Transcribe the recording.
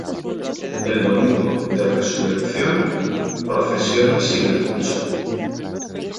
El domingo de resurrección procesiona sin el pucho.